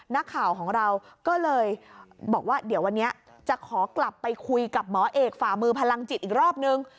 นักข่าวของเราก็เลยบอกว่าเดี๋ยววันนี้จะขอกลับไปคุยกับหมอเอกฝ่ามือพลังจิตอีกรอบนึง